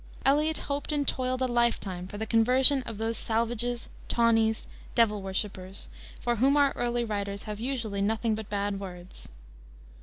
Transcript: Eliot hoped and toiled a lifetime for the conversion of those "salvages," "tawnies," "devil worshipers," for whom our early writers have usually nothing but bad words.